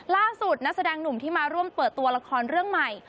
ล่าสุดนักแสดงหนุ่มที่มาร่วมเปิดตัวละครเรื่องใหม่